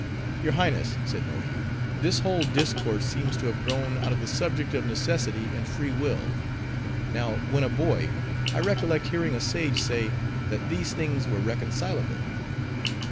"Your Highness," said Mohi, "this whole discourse seems to have grown out of the subject of Necessity and Free Will. Now, when a boy, I recollect hearing a sage say, that these things were reconcilable."